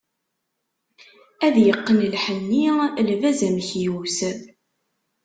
Ad yeqqen lḥenni, lbaz amekyus.